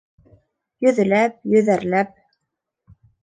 Йөҙләп, йөҙәрләп